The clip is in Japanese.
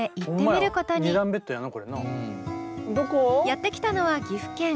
やって来たのは岐阜県。